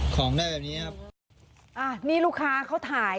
ของได้แบบนี้ครับ